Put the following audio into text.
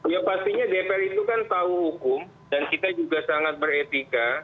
ya pastinya dpr itu kan tahu hukum dan kita juga sangat beretika